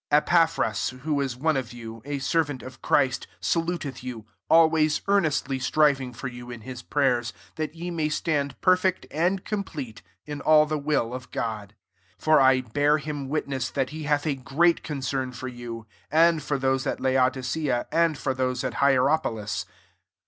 12 Epaphras, who is one of you, a servant of Christ, salut eth you, always earnestly striv ing for you in his prayers, that ye may stand perfect and com plete in all the will of God* 13 For I bear him witness that, he hath a great concern for youy andybr those at Laodioea, • and for those at Hierapolis.